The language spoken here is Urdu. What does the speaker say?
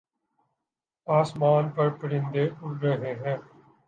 آسمان پر پرندے اڑ رہے ہیں